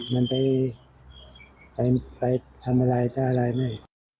มันไปทำอะไรจะอะไรแม่